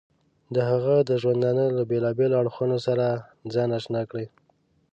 د هغه د ژوندانه له بېلابېلو اړخونو سره ځان اشنا کړو.